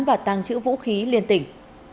và tăng chữ vũ khí liên tỉnh